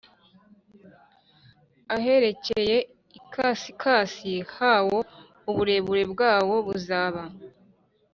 Aherekeye ikasikazi hawo uburebure bwawo buzaba